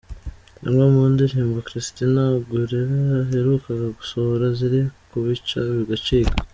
Zimwe mu ndirimbo Christina Aguilera aheruka gusohora ziri kubica bigacika:.